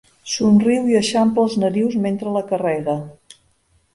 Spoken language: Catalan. Somriu i eixampla els narius mentre la carrega.